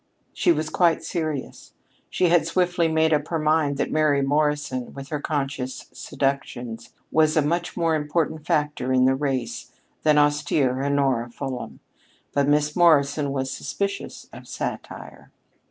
She was quite serious. She had swiftly made up her mind that Mary Morrison, with her conscious seductions, was a much more important factor in the race than austere Honora Fulham. But Miss Morrison was suspicious of satire.